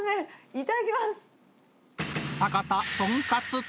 いただきます。